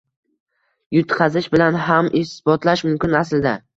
Yutqazish bilan ham isbotlash mumkin aslida.